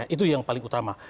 itu yang paling utama